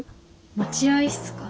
待合室か。